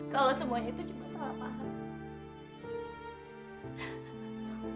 kalau semuanya itu cuma salah paham